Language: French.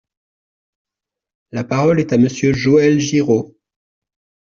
La parole est à Monsieur Joël Giraud.